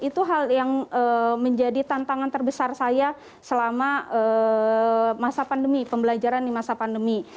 itu hal yang menjadi tantangan terbesar saya selama masa pandemi pembelajaran di masa pandemi